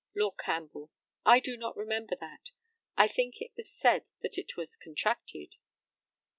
Lord CAMPBELL: I do not remember that. I think it was said that it was contracted.